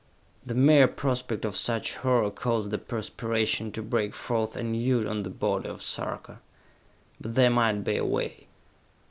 The mere prospect of such horror caused the perspiration to break forth anew on the body of Sarka. But there might be a way.